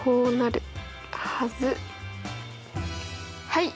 はい。